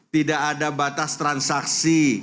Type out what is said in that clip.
tidak ada batas transaksi